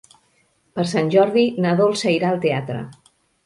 Per Sant Jordi na Dolça irà al teatre.